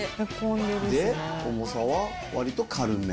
で重さは割と軽め。